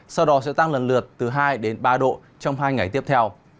sau đó sẽ tăng lần lượt từ hai đến ba độ trong hai ngày tiếp theo